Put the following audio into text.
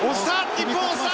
日本押した！